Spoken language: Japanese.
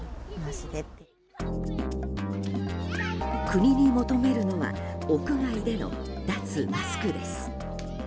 国に求めるのは屋外での脱マスクです。